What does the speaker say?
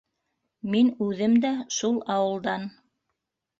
Мин үҙем дә шул ауылдан.